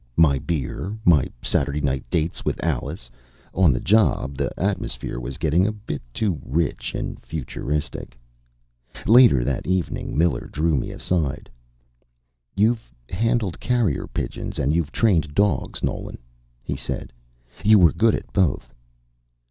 My beer. My Saturday night dates with Alice. On the job, the atmosphere was getting a bit too rich and futuristic. Later that evening, Miller drew me aside. "You've handled carrier pigeons and you've trained dogs, Nolan," he said. "You were good at both."